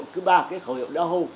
cứ ba cái khẩu đó hô